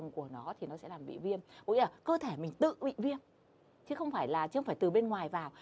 cơ thể mình tự bị viêm chứ không phải từ bên ngoài vào